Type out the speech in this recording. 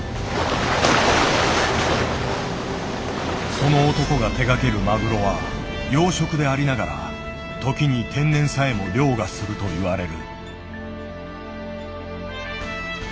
その男が手がけるマグロは養殖でありながら時に天然さえも凌駕するといわれる。